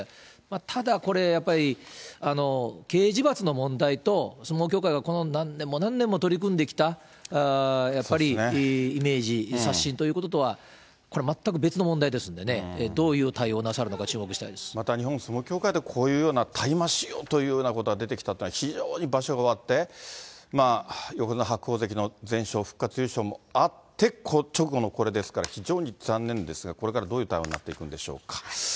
ただこれ、やっぱり、刑事罰の問題と、相撲協会がこの何年も何年も取り組んできた、やっぱりイメージ刷新ということとは、これ全く別の問題ですんでね、どういう対応をなさるのか、注目しまた日本相撲協会で、こういうような大麻使用というようなことが出てきたということは非常に場所が終わって、横綱・白鵬関の全勝復活優勝もあって直後のこれですから、非常に残念ですが、これから、どういう対応になっていくんでしょうか。